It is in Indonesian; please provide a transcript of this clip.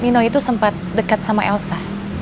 dino itu sempat dekat sama elsa